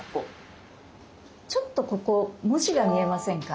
ちょっとここ文字が見えませんか？